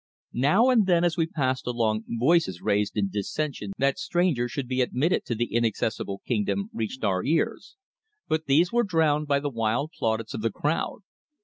Now and then as we passed along voices raised in dissension that strangers should be admitted to the inaccessible kingdom reached our ears, but these were drowned by the wild plaudits of the crowd.